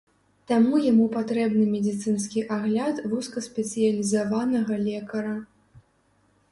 Таму яму патрэбны медыцынскі агляд вузкаспецыялізаванага лекара.